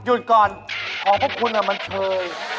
หยุดก่อนของพวกคุณมันเชย